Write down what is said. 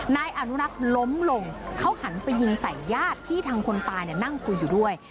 นายอนุรักษ์ล้มลงเขาหันไปยิงใส่ญาติที่ทางคนตายนั่งคุยอยู่ด้วย